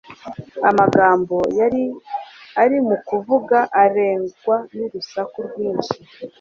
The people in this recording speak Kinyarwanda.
amagambo yari ari mu kuvuga arengwa n'urusaku rwinshi.